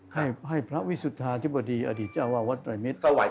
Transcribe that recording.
ให้พระวิสุทธาธิบดีอดีตเจ้าวาดวัดไตรมิตรสวัย